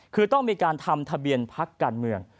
คือต้องมีการทำทะเบียนพักการเมือง